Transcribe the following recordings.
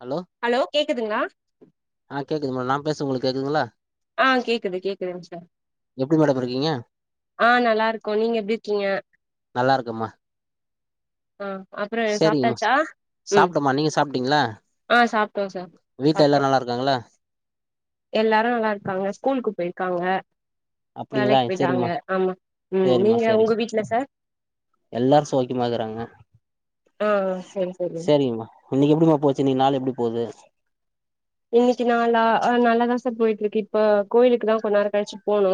Hello hello கேக்குதுங்ளா ஆ கேக்குதுமா நா பேசறது உங்களுக்கு கேக்குதுங்களா ஆ கேக்குது கேக்குதுங்க சார் எப்டி மேடம் இருக்கீங்க ஆ நல்லாருக்கோ நீங்க எப்டி இருக்கீங்க நல்லா இருக்கம்மா ஆ அப்ற சேரிங்கம்மா சாப்ட்டாச்சா ம் சாப்ட்டம்மா நீங்க சாப்ட்டீங்களா ஆ சாப்ட்டோ சார் வீட்ல சாப்ட்டோ எல்லாரு நல்லாருக்காங்களா எல்லாரு நல்லாருக்காங்க ஸ்கூலுக்கு போயிருக்காங்க அப்டிங்களா வேலைக்கு போய்ட்டாங்க சேரிம்மா ஆமா ம் சேரிம்மா நீங்க உங்க சேரிம்மா வீட்ல சார் எல்லாரு சௌக்கியமா இக்குறாங்க ஆ ஆ சரி சரி சேரிங்கம்மா இன்னைக்கு எப்டிமா போச்சு இன்னிக் நாலு எப்டி போது இன்னைக்கி நாளா நல்லாதா சார் போயிட்டு இருக்கு இப்ப கோயிலுக்கு தா கொஞ்ச நேர கழிச்சி போணு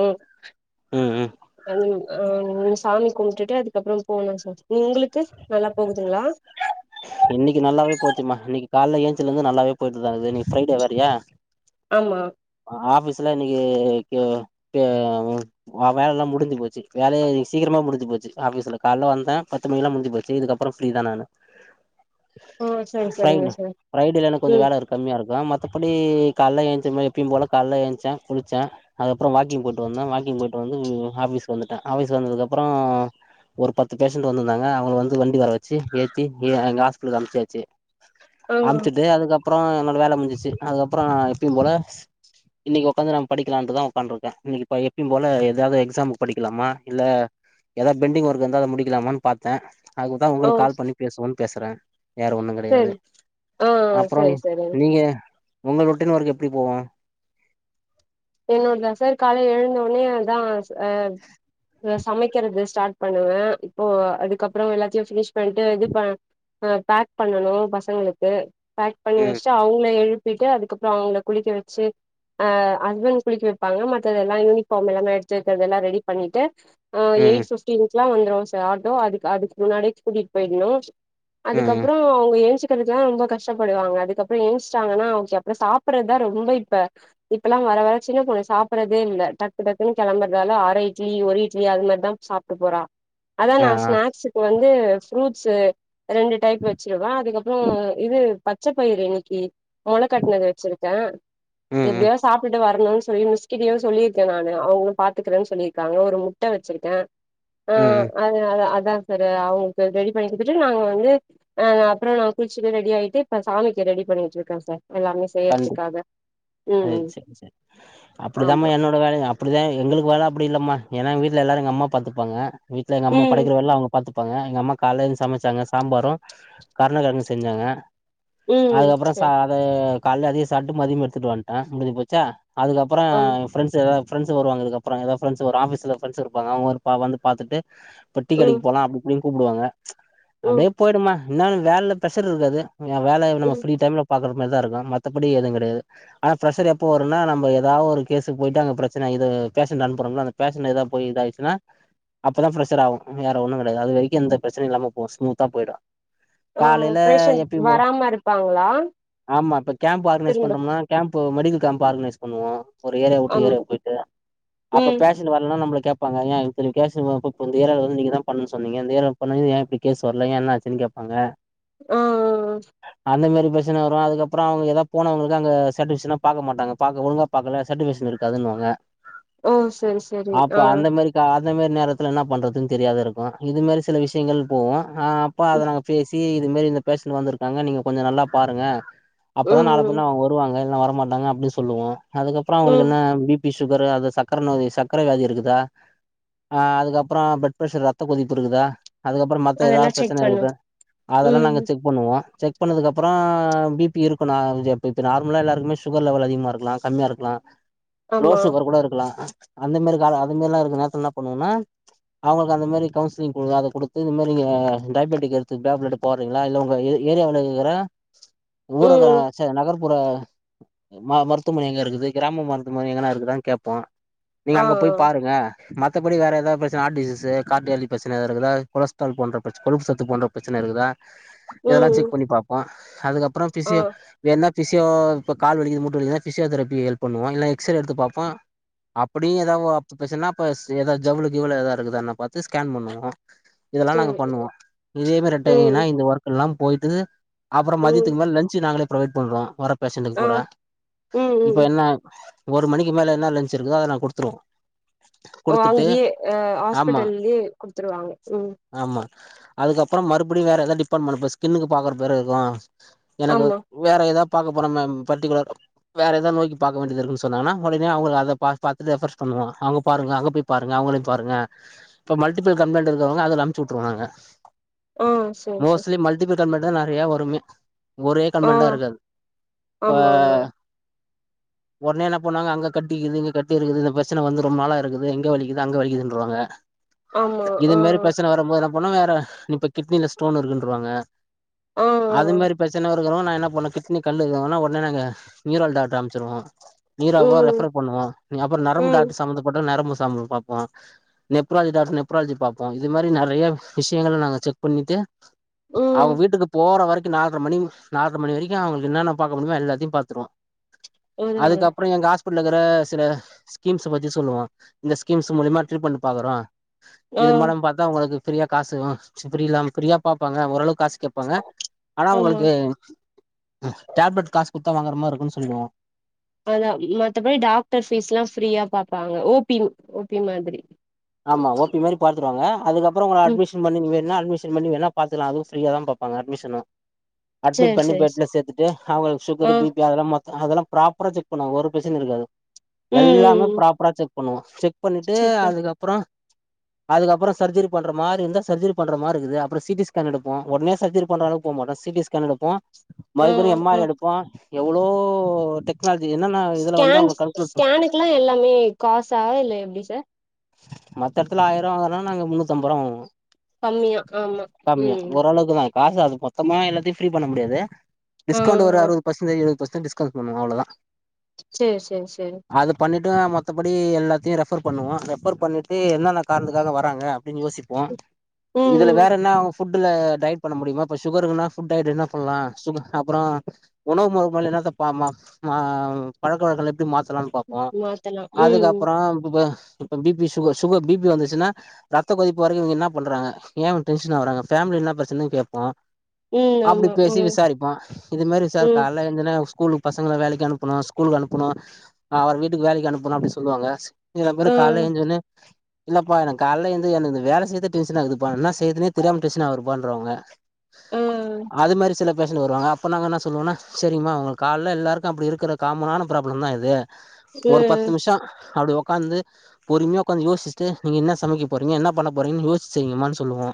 ம் ம் ஆ ம் சாமி கும்டுட்டு அதுக்கப்புறம் போனு சார் நீ உங்களுக்கு நல்லா போகுதுங்ளா இன்னைக்கி நல்லாவே போச்சுமா இன்னைக்கி காலைல ஏஞ்சதுல இருந்து நல்லாவே போயிட்டு தா இருக்குது அது இன்னிக்கி ஃப்ரைடே வேற யா ஆமா ஆபீஸ்ல இன்னைக்கி கே கே அவுங் ஆ வைல எல்லா முடிஞ்சி போச்சு வேலைய சீக்கிரமா முடிஞ்சு போச்சு ஆபீஸ்ல கால்ல வந்தா பத் து மணிக்கெல்லா முடிஞ்சி போச்சி இதுக்கப்றோ ஃப்ரீ தா நானு ஆ சரி சரிங்க சைனு சார் ஃப்ரைடே தா எனக் கொஞ்சோ ம் வேல இருக் கம்மியா இருக்கலா மத்தபடி கால்ல எயிச்சதுமே எப்பேயும் போல கால்ல ஏச்சே குளிச்சே அதுகப்பறோ வாக்கிங் போயிட்டு வந்தே வாக்கிங் போயிட்டு வந்து ஆபீஸ்க்கு வந்துட்டே ஆபீஸ்கு வந்ததுகப்புறோ ஒரு பத்து பேஷண்ட்டு வந்துந்தாங்க அவுங்கள வந்து வண்டி வர வெச்சி ஏத் தி எ எங் ஹாஸ்பிடலுக்கு அம்சாச்சி ஆ அம்ச்சிட்டு அதுகப் அப்றோ என்னோட வேல முஞ்சிச்சி அதுகப்றோ நா எப்பயும் போல இன்னிக்கி ஒக்காந்து நாம் படிக்கலான்ட்டுதா ஒக்கான்டிருக்கே இன்னிக்கி இப்ப எப்பயும் போல எதாது எக்ஸாமுக்கு படிக்கலாமா இல்ல ஏதாவது பெண்டிங் ஒர்க் இருந்தா அத முடிக்கலாமான் பாத்த அதுக்தா ஓ உங்களுக் கால் பண்ணி பேசுவோன் பேசறே வேர ஒன்னு சரி கெடையாது ஆ அப்றோ சரி சரிங்க நீங்க உன்ன ரோட்டின் வொர்க் எப்டி போவோ என்னோடதா சார் காலைல எழுந்த ஒன்னே அதா ச அ இத சமைக்கிறது ஸ்டார்ட் பண்ணுவே இப்போ அதுக்கப்றோ எல்லாத்தையு ஃபினிஷ் பண்ட்டு இது ப இப்போ பேக் பண்ணணோ பசங்களுக்கு பேக் பண்ணி ம் வெஸ்டு அவுங்கள எழுப்பிட்டு அதுக்கப்றோ அவுங்ள குளிக்க வெச்சி அ ஹஸ்பண்ட் குளிக்க வெப்பாங்க மத்ததெல்லா யூனிஃபாமு அந்தா எடுத்து வெக்கறதெல்லா ரெடி பண்ணிட்டு ஆ ம் எயிட்ஸ் ஃபிப்டினுக்லா வந்துரு சா ஆட்டோ அதுக் அதுக்கு முன்னாடியே கூட்டிட்டு போயிட்ணோ ம் அதுக்கப்றோ அவுங்க எழுஞ்சி இருக்கறதுதா ரொம்ப கஷ்டப்படுவாங்க அதுக்கப்றோ எழுச்சிஞ்டாங்னா அப்றோ சாப்பட்றதா ரொம்ப இப்ப இப்பல்லா வர வர சின்ன பொண்ணு சாப்பட்றதே இல்ல டக்கு டக்குனு கெலம்பறதால அர இட்லி ஒரு இட்லி அது மார்தா சாப் ட்டு போறா அதா ஆ நா ஆ ஸ்நாக்சுக்கு வந்து ஃப்ரூட்ஸ்சு ரெண்டு டைப் வெச்சிருவே அதுக்கப்பறோ இது பத் பச்சப்பயிரு இன்னிக்கி மொள கட்னது வெச்சிருக்கே ம் ம் எப்டியாது சாப்டுட்டு வர்ணோன்னு சொல்லி மிஸ்கிட்டியு சொல்லியிருக்கே நானு அவுங்ளு பாத்துக்கிறேன் சொல்லி இருக்காங்க ஒரு முட்ட வெச்சிருக்கே ஆ ம் ம் அது அதா அதா சார் அவுங்களுக்கு ரெடி பண்ணி குத்துட்டு நாங்க வந்து அ நா அப்றோ நா குளிச்சிட்டு ரெடி ஆயிட்டு இப்ப சாமிக்கு ரெடி பண்ணிட்டிருக்கே சார் எல்லாமே செய்றத்துக்காக ம் ம் என்ஜாய் அப்டிதாமா ஆமா என்னோட வேலையு அப்டிதா எங்களுக்கு வேல அப்டி இல்லமா ஏன்னா எங்க வீட்ல எல்லாரோ எங்க அம்மா பாத்துப்பாங்க வீட்ல எங்க அம்மா ம் படைக்கிற வேல்லா அவுங்க பாத்துப் வெப்பாங்க எங்க அம்மா கால்லயெந்து சமைச்சாங்க சாம்பாரோ கர்ணகெழங்கோ செஞ்சாங்க ம் அதுக்கப்றோ ச சரி அது காலால அதையே சாப்பிட்டு மதியம் எடுத்துட்டு வந்டே முடிஞ்சி போச்சா அதுக்கப் அப்றோ ம் ஃப்ரெண்ஸ் ஃப்ரெண்ட்ஸ் வருவாங்க இதுக்கு அப்றோ எதா ஃப்ரெண்ட்ஸ் வரு ஆபீஸ்ல ஃப்ரெண்ட்ஸ் இருப்பாங்க அவுங்க பா வந்து பாத்துட்டு பொட்டி கடைக்கு ம் போலா அப்டி இப்டினு கூப்டுவாங்க ம் அப்டியே போய்டுமா இன்னா இந்த வேல்ல பிரெஷர் இருக்காது இங்க வேல நம்ம ம் ஃப்ரீ டைம்ல பாக்குற மார்தா இருக்கோ மத்தபடி எதுவோ கெடையாது ஆனா பிரஷர் எப்போ வரோன்னா நம்ம ஏதா ஒரு கேசுக்கு போயிட்டு அங்க பிரச்சனை ஆயி இது பேஷண்ட்ட அனுப்றோம்ல அது பேசன்ட் எதா போயி இதா ஆயிச்சினா அப்பதா ஃப்ரெஷர் ஆவு வேற ஒன்னு கடையாது அது வரிக்கு எந்த பிரச்சனையு இல்லாம போவோ ஸ்முத்தா போயிடு ஓ காலைல பேஷண்ட் எப்பியும்போ வராம இருப்பாங்களா ஆமா இப்ப கேம்ப் ஆர்கனைஸ் திரும்ப பண்றோம்னா கேம்ப்பு மெடிக்கல் கேம்ப் ஆர்கனைஸ் பண்ணுவோ ஒரு ஏரியா வுட்டு ஆமா ஏரியா போயிட்டு அப்போ ம் பேஷ ஷன்டு வர்லனா நம்பல கேப்பாங்க ஏ இத்தினி கேசு வ கூட்டு வந்து இந்த ஏரியால வந்து நீங்கதா பண்ண சொன்னீங்க இந்த ஏரியால சொன்னது ஏ இப்டி கேஸ் வரல ஏ ன்ன ஆச்சின் கேப்பாங்க ஆ ஆ. அந்த மேரி பிரச்சன வரோ அதுக்கப் ஆ அவுங்க ஏதாவது போனவுங்களுக்கு அங்க சேடிஸ்பேக்ஷனா பாக்க மாட்டாங்க பாக்க ஒழுங்கா பாக்கல சேடிஸ்பேக்ஷன் இருக்காதுன்வாங்க ஓ சரி சரி அப்ப ஆ அந்த மாரி கா அந்த மேரி நேரத்துல இன்னா பண்றதுன் தெரியாத இருக்கு இது மேரி சில விஷ்யங்கள் போவு ஆ பா அத நாங்க பேசி இது மேரி இந்த பேஷன்ட் வந்துருக்காங்க நீங்க கொஞ்சொ நல்லா பாருங்க அப்பதா நாள ம் பின்ன அவுங்க வருவாங்க இல்னா வரமாட்டாங்க அப்டி சொல்லுவோ அதுக்கப்றொ அவுங்ளுக்கு ம் என்ன பி பி ஷூகர் அது சக்கர நோய் சக்கர வியாதி இருக்குதா ஆ அதுக்கப்றொ பிளட் பிரெஷர் ரத்த கொதிப்பு இருக்குதா அதுக்கப்றொ மத்த அதெல்லா எதாவது செக் பிரச்சன பண்ணு இருக்குதா அதெல்லா ம் நாங்க செக் பண்ணுவோ செக் பண்ணதுக்கப்றொ பிப் பி இருக்கு நா அஞ்சாப்பேத்து நார்மலா எல்லாருக்குமே சுகர் லெவல் அதிகமா இருக்கலா கம்மியா இருக்கலா லோ ஆமா ஷூகர் கூட இருக்லா அந்த மாரி கால அந்த மேரில்லா இருக்க நேரத்துல ன்னா பண்ணுவோனா அவங்களுக்கு அந்த மேரி கவுன்சிலிங் குடு அத குடுத்து இந்த மாரி நீங்க ஆ டயபெடிக் எடுத்து டேப்லெட் போட்றீங்களா இல்ல உங்க ஏரியாவுல இருக்கற ஊரக ம் ச நகர்ப்புற ம மருத்துவமனை எங்க இருக்குது கிராம மருத்துவமனை எங்கனா இருக்குதான் கேப்போ நீங்க ஆ அங்க போய் பாருங்க மத்தபடி வேற எதாவது ப்ரச்சன ஹாட் டிசீஸ் கார்டாலி பிரச்சன எதாவ இருக்குதா கொலஸ்ட்ரால் போன்ற பிரச்ச கொழுப்பு சத்து போன்ற பிரச்சன இருக்குதா இதெல்லா ம் செக் பண்ணி பாப்போ அதுக்கப்றொ ஆ ஃபிசியோ வேன்னா ஃபிசியோ இப்ப கால் வலிக்குது மூட்டுவலிக்குது ஃபிசியோதரி ஹெல்ப் பண்ணுவோ இல்லனா எக்ஸ் ரே எடுத்து பாப்போ அப்டியு எதாவது அப் ப்ரச்சனன்னா அப்ப ஸ் ஏதாவது ஜவ்வுல கிவ்வுல எதாவ இருக்குதா என்ன பாத்து ஸ்கேன் பண்ணுவோ அ [inaudible] இதெல்லா நாங்க சரி பண்ணுவோ ம் இதேமாரெட்டன்னா இந்த ஒர்க் எல்லா போயிட்டு அப்றொ ம் மதியத்துக்கு மேல லன்ச் நாங்களே ப்ரொவைட் பண்றோ வர பேஷண்ட்டுக்கு ஆ பூரா ம் ம் இப்ப என்ன ஒரு மணிக்கி மேல ன்னா லஞ்ச் இருக்குதோ அத நாங் குடுத்துருவோ ஓ குடுத்துட்டு அங்கியே ஆ ஆமா ஹாஸ்பிட்டல்லயே குடுத்துருவாங்க ம் ஆமா அதுக்கப்றொ மறுபடியு வேற ஏதாது டிபாட்மெண்ட் இப்ப ஸ்கின்னுக்கு பாக்குற பேரு இருக்கோ எனக்கு ஆமா வேற ஏதா பாக்க போற மேம் பர்டிகுலர் வேற ஏதாவ நோய்க்கி பாக்க வேண்டியது இருக்குன் சொன்னங்கனா ஒடனே அவங்கள அத பா பாக் ரெஃப்ரென்ஸ் பண்ணுவோ அவ்ங்க பாருங்க அங்க போய்ப் பாருங்க அவங்களையு பாருங்க இப்ப மல்டிபிள் கம்ப்ளைண்ட் இருக்கிறவங்க அதுல அனுப்ச்சு விட்ருவாங்க ஆ சேரி சேரி மோஸ்ட்லி மல்டிபிள் கம்ப்ளைண்ட் தா நறைய வருமே ஒரே ஆ கம்ப்ளைன்ட் இருக்காது இப்ப ஆமா ஆமா உடனே என்ன பண்ணுவாங்க அங்க கட்டிக்குது இங்க கட்டி இருக்குது இந்த பிரச்சன வந்து ரொம்ப நாளா இருக்குது இங்க வலிக்குது அங்க வலிக்குதுன்றுவாங்க ஆமா இது ஆ மாரி பிரச்சனை வரும்போது என்ன பன்வாங்க வேற இப்ப கிட்னில ஸ்டோன் இருக்குன்றுவாங்க ஆ ஆ அது மாரி பிரச்சனை இருக்கவங்க நா என்ன பண்ணுவ கிட்னி கல் இருக்குன்னொன்ன ஒட்னே நாங்க நீயூரால் டாக்டர் அனுச்சுருவோ நீயூராவோ ம் ரெஃபர் பண்ணுவோ நீ அப்புற நரம்பு ம் டாக்டர் சமந்தப்பட்டவங் நரம்பு சம்பம் பா நெப்ராலஜி டாக்டர் நெப்ராலஜி பாப்போ இது மாரி நறைய விஷியங்கல நாங்க செக் பண்ணிட்டு அவு ம் வீட்டுக்கு போற வரைக்கு நா மணி நால்ட்ர மணிவரைக்கு அவங்களுக்கு ன்னான்ன பாக்க முடியுமோ எல்லாத்தயு பாத்ருவோ அதா அதா அதுக்கப்றொ எங்க ஹாஸ் அப்பட்லக்கிற சில ஸ்கீம்ஸ் பத்தி சொல்லுவோ இந்த ஸ்கீம்ஸ் மூலமா ட்ரீட்மெண்ட் பாக்குறோ ஆ இது மூலமா பாத்தா உங்களுக்கு ஃபிரீயா காசு ஃபிரீயா பாப்பாங்க ஓரளவுக்கு காசு கேட்பாங்க ஆனா ஆமா ஒங்களுக்கு டேப்லெட் காசு குடுத்தா வாங்குற மாரி இருக்குன்னு சொல்லிடுவோ அதா மத்தபடி டாக்டர் ஃபீஸ்ல்லா ஃப்ரீயா பாப்பாங்க ஓபி ஓபி மாதிரி ஆமா ஓ பி மாதிரி பாத்துருவாங்க அதுக்கப்புற உங்கள ம் அட்மிஷன் பண்ணி இனிமேல் என்ன அடமிஷன் பண்ணி வேணா பாத்துக்லா அது ஃப்ரீயாதா பாப்பாங்க அட்மிஷனு அட்மிட் சேரி பண்ணி சேரி பெட்ல சேத்துட்டு அவுங்களுக்கு சுகர் ஆ பிபி அதெல்லா மொத் த அதெல்லா ப்ராப்பரா செக் பண்ணுவாங்க ஒரு பிரச்சன இருக்காது ம் எல்லாமே ம் ம் ப்ராப்பரா செக் பண்ணுவோ செக் பண்ணிட்டு சரிப்பா அதுக்கப்புற அதுக்கப்புற சர்ஜரி பண்ற‌மாரி இருந்தா சர்ஜரி பண்ற மாரி இருக்குது அப்புற சி டி ஸ்கேன் எடுப்போ உடனே சர்ஜரி பண்ற அளவுக்கு போ மாட்டோ சிடி ஸ்கேன் எடுப்போ மறுபடி ஆமா எம் ஆ ஆர் எடுப்போ எவ்ளோ டெக் டெக்னாலஜி என்னன்ன இதுல வந்து அவுங்கள கன்க்ளுட் பண்ண ல்ல எல்லாமே காசா இல்ல எப்டி சார் மத்த இடத்துல ஆயிர ரூவா வாங்கறனா நாங்க முன்னூத்தம்பது ரூவா வாங்குவோ கம்மியா ஆமா கம்மியா ம் ஓரளவுக்கு தா காசு அது மொத்தமா எல்லாத்தையு ஃப்ரீ பண்ண முடியாது ஆ டிஸ்கவுண்ட் ஒரு ஆ அறுவது பர்சன்டேஜி எழுவது பர்சன்டேஜ் டிஸ் கல் பண்ணுவோ அவ்ளோதா சேர் சேர் சே அது பண்ணிட்டுதா மத்தபடி எல்லாத்தையும் ரெஃபர் பண்ணுவோ ரெஃபர் பண்ணிட்டு என்னென்ன காரணத்துக்காக வராங்க அப்டின்னு யோசிப்போ ம் இதுல ம் வேற என்னா ஃபுட்டுல டயட் பண்ண முடியுமா இப்ப சுகர் இருக்குன்னா ஃபுட் டயட் என்ன பண்லா சுகர் அப்பறோ உணவு முறையில என்னத்தப்பம ம பழக்க வழக்கலா எப்டி மாத்தலா பாப்போ மாத்தலா ம் அதுக்கப்பற இப்ப பி பி சுக சுகர் பி பி வந்துச்சுன்னா ரத்த கொதிப்பு வரைக்கு இவுங்க என்ன பண்றாங்க ஏ இவுங்க டென்ஷ ஆவுறாங்க ஃபேம்லி என்ன பிரச்சனன்னு கேப்போ ம் அப்டி ஆமா பேசி ம் விசாரிப்போ இது மாரி ம் விசாரக்கால் இருந்துன ஸ்கூல் பசங்கள வேலைக்கு அனுப்பனு ஸ்கூலுக்கு அனுப்பனு அவர வீட்டுக்கு வேலைக்கு அனுப்பணு அப்டின்னு சொல்லுவாங்க சில பேரு ஆ கால்ல எழ்ந்தோன்னே இல்லப்பா எனக்கு கால ஏந்து எனக்கு வேல செய்றதே டென்ஷனாதுப்பா என்ன செய்துனே தெரியாம டென்ஷன் ஆவுதுப்பான்ருவாங்க ஆ அது மாரி சில பேஷன்ட்டு வருவாங்க அப்ப நாங்க என்ன சொல்லுவோன்னா சரிம்மா உங்களுக்கு கால்ல எல்லாருக்கு அப்டி இருக்கிற காமனான ப்ராப்ளந்தா இது ஒரு பத்து ம் நிமிஷ அப்டி ஒக்காந்து பொறுமையா ஒக்காந்து யோச்சுட்டு நீங்க என்ன சமைக்க போறீங்க என்ன பண்ண போறீங்கன் யோசிச்சு செய்ங்கம்மான் சொல்லுவோ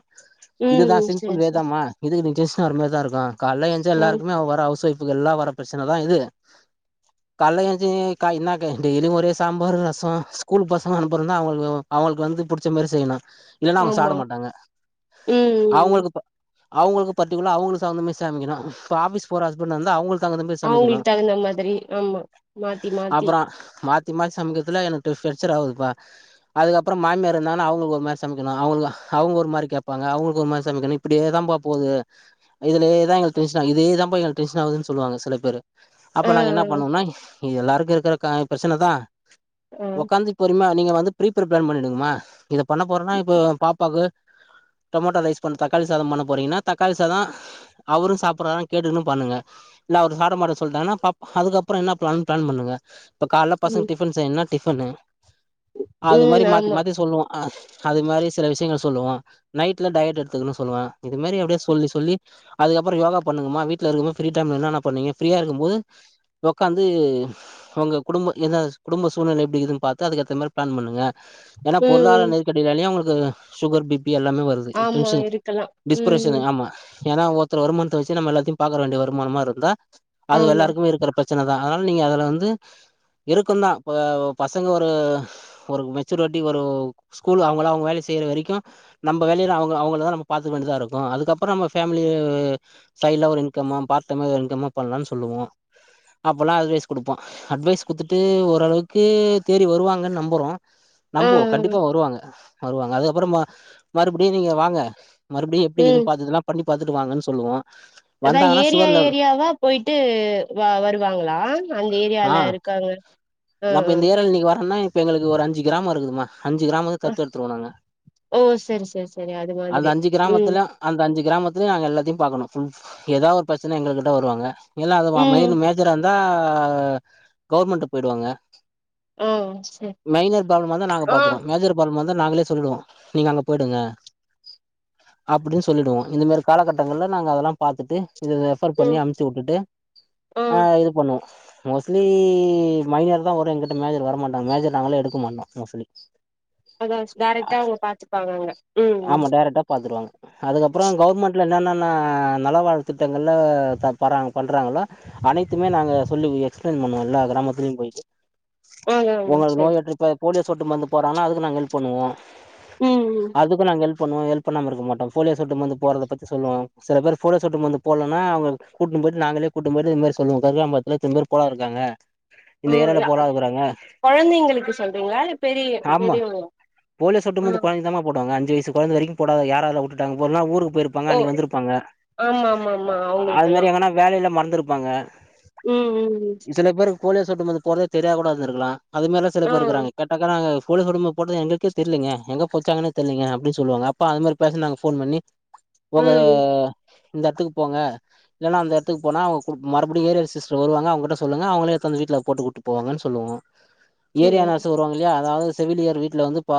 இதுதா ம் சிம்பிள் சேரி சேரி வேதமா இதுக்கு நீ டென்ஷனாவுற மாரி தா இருக்கு கால்ல எஞ்ச்சா ம் எல்லாருக்குமே வர ஹவுஸ் ஒய்ஃப்க்கு எல்லா வர பிரச்சனைதா இது கால்ல ஏஞ்ச்சி காய் என்னக்காய் டெய்லியு ஒரே சாம்பார் ரசோ ஸ்கூல் பசங்க அனுப்புனுனா அவுங்களுக்கு அவுங்களுக்கு வந்து புடிச்ச மாரி செய்யனு இல்லனா அவுங்க ஆமா சாப்ட மாட்டாங்க ம் ம் அவுங்களுக்கு அவுங்களுக்கு பர்டிக்குல அவுங்களுக்கு தவுந்தாமாரி சமைக்கினு இப்ப ஆபிஸ் போற ஹஸ்பன்டா இருந்தா அவுங்களுக்கு தகுந்த மாரி சமைக்கணு அவுங்களுக்கு தகுந்த மாதிரி ஆமா மாத்தி மாத்தி அப்பறோ மாத்தி மாத்தி சமைக்கிறதுல எனக்கு வெச்சர் ஆவுதுப்பா அதுக்கப்றோ மாமியார் இருந்தாங்கனா அவுங்களுக்கு ஒரு மாரி சமைக்கணு அவுங்களுக்கு அவுங்க ஒரு மாரி கேப்பாங்க அவுங்களுக்கு ஒரு மாரி சமைக்கணு இப்டியேதான்பா போது இதுலேதா எங்க டென்ஷன் இதேதா எங்களுக்கு டென்ஷன் ஆதுன்னு சொல்லுவாங்க சில பேரு அப்போ ஆ நாங்க என்னா பண்ணுவோனா இது எல்லோருக்கு இருக்கிற கா பிரச்சனதா ஆ ஒக்காந்து பொறிமியா நீங்க வந்து பிரி பிளான் பண்ணிடுங்கமா இத பண்ண போறனா இப்போ பாப்பாக்கு டொமொட்டோ ரைஸ் பண்ண தக்காளி சாதோ பண்ண போறீங்கனா தக்காளி சாதோ அரு சாப்புட்றாரானு கேட்டுன்னு பண்ணுங்க இல்ல அவரு சாப்ட மாட்ட சொல்ட்டாங்கன்னா பாப் அதுக்கப்பற என்ன பிளானுன் பிளான் பண்ணுங்க இப்ப காலைல பசங்க ம் டிஃபன் செய்யணுன்னா டிஃபனு அது மாரி ம் மாத்தி ஆமா மாத்தி சொல்லுவோ அ அது மாரி சில விஷயங்கள் சொல்லுவா நைட்ல டயட் எடுத்துக்கன்னு சொல்லுவ இது மாரி அப்டியே சொல்லி சொல்லி அதுக்கப்ற யோகா பண்ணுங்கம்மா வீட்ல இருக்கும் போது ஃப்ரீ டைம் என்னனா பண்வீங்க ஃப்ரீயா டைம் என்ன என்ன பண்ணுவீங்க ஃப்ரீயா இருக்கும் போது உக்காந்து உங்க குடும்ப எந்த குடும்ப சு சூழல்நிலை எப்டி இக்குத்துன்னு பாத்து அதுக்கேத்த மாரி பிளான் பண்ணுங்க ஏனா ம் பொருளார ம் நெரிக் கடினாலே உங்களுக்கு சுகர் பி பி எல்லாமே வருது ஆமா டென்ஷன் இருக்கலா டிஸ்ப்ரஷனு ம் ஆமா ஏனா ஒருத்த வருமானத்த வச்சு நம்ம எல்லாத்தயு பாக்ற வேண்டிய வருமானமா இருந்தா அது ஆமா எல்லாருக்மே இருக்கிற பிர பிரச்சனதா அதனால நீங்க அதுல வந்து இருக்குந்தா இப்ப பசங்க ஒரு ஒரு மெச்சூரிட்டி ஒரு ஸ்கூல் அவுங்ளா அவுங்க வேல செய்ற வரைக்கு நம்ம வேலய அவுங்க அவுங்களதா நம்ம பாத்து வேண்டிதா இருக்கு அதுக்கப்பற நம்ம ஃபேமிலி ஆஆ வே சைல ஒரு இன்கம்மோ பார்டைம் ஒரு இன்கம்மோ பண்லான்னு சொல்லுவோ அப்பல்லா அட்வைஸ் குடுப்ப அட்வைஸ் குடுத்துட்டு ஓரளவுக் கு தேறி வருவாங்கனு நம்புறோ ஆ நம்புவோ கண்டிப்பா வருவாங்க வருவாங்க அத அப்பற ம மறுபடியு நீங்க வாங்க மறுபடியு எப்டி இது ம் பாத்ததுல்லாப் பண்ணி பாத்துட்டு வாங்கன்னு சொல்லுவோ அதா வந்தாங்கன்னா ஏரியா சுகர் லெவல் ஏரியாவா போயிட்டு வருவாங்ளா அந்த ஆ ஏரியால இருக்காங்க ஆ நம்ம ஆ இந்த ஏரியா இன்னைக்கி வரேன்னா இப்ப எங்களுக்கு ஒரு அஞ்சு கிராம இருக்குமா அஞ்சு கிராமோ ஆ தத்து எடுத்துருவோ நாங்க ஓ சரி சரி சரி அது அந்த மாதிரி அஞ்சு ம் கிராமத்துலயூ அந்த அஞ்சு கிராமத்தலயு நாங்க எல்லாத்தயு பாக்கணு ஏதாவ ஒரு பிரச்சன எங்கள்கிட்ட வருவாங்க ஏல்லா அது ம் [unintelligible] ஜ்றா இருந்தா கவர்மெண்டு போயிடுவாங்க ஆ சரி மைனர் ப்ராப்ளம்மா இருந்தா நாங்க ஆ பாத்துருவோ மேஜர் வரும்போது நாங்ளே சொல்லிடுவோ நீங்க அங்க போயிடுங்க அப்டின்னு சொல்லிடுவோ இந்த மாரி காலகட்டங்கள்ல நாங்க அதெல்லா பாத்துட்டு இது ரேஃபர் பண்ணி ம் அம்ச்சு வு ட்டுட்டு ஆ இது பண்ணோ மோஸ்ட்லி மைனர் தா வரு ஒரு என்கிட்ட மேஜர் வர மாட்டங் மேஜர் நாங்களே எடுக்க மாட்டோ மோஷ்ட்லி அதா டரெக்டா அவுங்க பாத்துப்பாங்க அங்க ம் ம் ஆமா டரெக்டா பாத்துருவாங்க அதுக்கப்பற கவர்மெண்ட்ல என்னன்னா னா நலவாழ்வு திட்டங்கள்ல தா போறாங்க பண்றாங்கல்லா அனைத்துமே நாங்க சொல்லி எக்ஸ்பிளைன் பண்ணோல்ல கிராமத்துலயு போயிட்டு ஆ ஆ உங்களுக்கு சரி நோய்ற்ற இப்ப போலியோ சொட்டு மருந்து போடுறாங்கனா அதுக்கு நாங்க ஹெல்ப் பண்ணுவோ ம் ம் அதுக்கு நாங்க ஹெல்ப் பண்ணுவோ ஹெல்ப் பண்ணாம இருக்க மாட்டோ போலியோ சொட்டு மருந்து போட்றத பத்தி சொல்வோ சில பேர் போலியோ சொட்டு மருந்து போட்லனா அவுங்க கூட்னு போய்ட்டு நாங்களே கூட்டு போய்ட்டு இதுமாரி சொல்லுவோ கங்கா மரத்துல இத்தன பேர் [unintelligible] ம் ஏரியால யா போடாது இருக்குறாங்க கொழந்தைங்களுக்கு சொல்றீங்ளா இல்ல பெரிய ஆமா பெரியவங்ளா போலியோ சொட்டு மருந்து கொழந்தைக்தாமா போடுவாங்க அஞ்சு வயசு கொழந்த வரைக்கு போடாமா யார் யாரல உட்டுட்டாங் இப்பல்லா ஊருக்கு போயிருப் ப்பாங்க ஓ அன்னைக்கு வந்திருப்பாங்க ஆமா ஆமா ஆமா அது அவங்களுக்கெல்லா மாரி எங்கன்னா வேலையில மறந்ருப்பாங்க ம் ம் ம் சில பேருக்கு போலியோ சொட்டு மருந்து போட்றதே தெரியா இருந்துருக்கலா கூடா இருந்டுக்கலா அதுமாறிலா சில ஆ பேர் இருக்காங்க கேட்டா ங்க நாங்க போலீயோ சொட்டு மருந்து போட்டது எங்ளுக்கே தெர்லீங்க எங்க போச்சாங்கனே தெரியலங்க அப்டின்னு சொல்லுவாங்க அப்போ அது மாரி பேசன்ட் நாங்க ஃபோன் பண்ணி உங்க ம் இந்த எத்துக்கு போங்க இல்லனா அந்த எட்த்துக்கு போனா அவங்க மறுபடி ஏரியல் சிஸ்டர் வருவங்க அவங்ககிட்ட சொல்லுங்க அவங்கள எட்த்து வந்து வீட்ல போட்டுட்டு போவாகன்னு சொல்லுவோ சரி ஏரியா நர்சு வருவாங்க இல்லையா அதாவது செவிலியர் வீட்ல வந்து ப் பா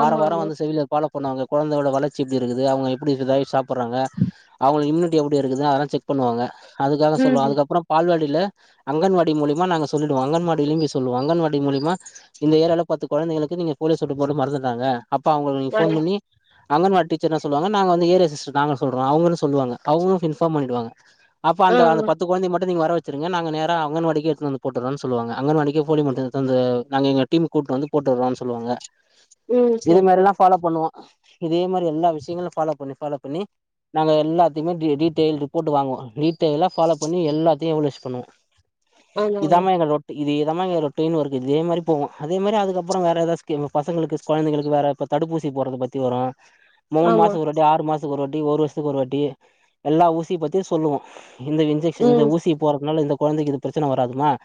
வாரோ ஆமா வாரோ ஆமா வந்து செவிலியர் ஃபாலோ பண்ணுவாங்க கொழந்தையோட வளர்ச்சி எப்டி இருக்குது அவுங்க எப்டிக்கு தாய் சாப்பர்றாங்க அவுங்ளுக்கு இம்யூனிட்டி எப்டி இருக்குது அதெல்லா செக் பண்ணுவாங்க அதுக்காக ம் சொல்வோ ம் அதுக்கப்பறம் பால்வாடில அங்கன்வாடி மூலிமா நாங்க சொல்லிடுவோ அங்கன்வாடிலயு போய் சொல்லுவோ அங்கன்வாடி மூலிமா இந்த ஏரியால பத்து கொழந்தைங்களுக்கு நீங்க போலியோ சொட்டு போட மறந்துட்டாங்க அப்ப அவுங்களுக்கு வர ஃபோன் பண்ணி அங்கன்வா டீச்சர் என்ன சொல்லுவாங்க நாங்க வந்து ஏரியா சிஸ்டர் நாங்க சொல்றோ அவுங்களு சொல்வாங்க அவுங்களு இன்ஃபார்ம் பண்ணிடுவாங்க அப்ப ஆ அந்த அந்த பத்து கொழந்தைக்கு மட் டு நீங்க வர வச்சிருங்க நாங்க நேரா அங்கன்வாடிக்கே எட்த்துனு வந்து போட்டர்றோ சொல்வாங்க அங்கன்வாடிக்கே போலியோ மருந்து எட்த்து வந்து நாங்க இங்க டீம்ம கூப்ட்டு வந்து போட்டர்றோன் சொல்வாங்க ம் இது சரி சரி மாதிரிலா ஃபாலோ பண்ணுவோ இதே மாரி எல்லா விஷயங்களு ஃபாலோ பண்ணி ஃபாலோ பண்ணி நாங்க எல்லாத்தயுமே டீ டீட்டைல் ரிப்போர்ட் வாங்குவோ டீட்டைலா ஃபாலோ பண்ணி எல்லாத்தையு எவலிஸ் பண்ணுவோ ஆமா ஆமா இதமா எங்க ரொட் டு இது இதமா எங்க ரொட்டீன் ஒர்க் இதே மாரி போவோ அதே மாரி அதுக் ப்பற வேற எதா ஸ்கீ பசங்களுக்கு கொழந்தைகளுக் வேற இப்ப தடுப்பூசி போட்றத பத்தி வரு மூன் ஆமா மாசோ ஒரு வா ட்டி ஆறு மாசத்துக்கு ஒரு வாட்டி ஒரு வருஷத்துக்கு ஒரு வாட்டி எல்லா ஊசி பத்தி சொல்லுவோ இந்த இன்ஜெக்ஷன் இந்த ம் ஊசி போறதுனால இந்த கொழந்தைக்கு இது பிரச்சன வராதுமா